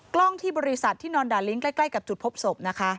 กล้องที่บริษัทที่นอนด่าลิงก์ใกล้กับจุดพบศพนะคะ